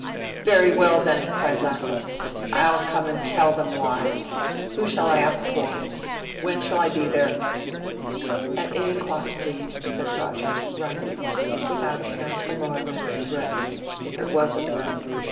"Very well, then!" cried Lapham; "I'll come and TELL them why. Who shall I ask for? When shall I be there?" "At eight o'clock, please," said Rogers, rising, without apparent alarm at his threat, if it was a threat.